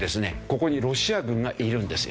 ここにロシア軍がいるんですよ。